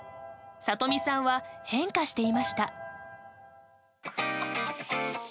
里見さんは変化していました。